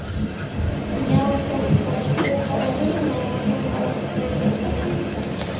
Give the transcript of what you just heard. Ñawpaq pachapiqa allinmi wawakuna waqtayqa karqan.